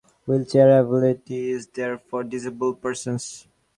Wheelchair availability is there for disabled persons.